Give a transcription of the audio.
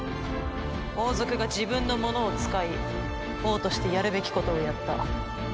王族が自分のものを使い王としてやるべきことをやった。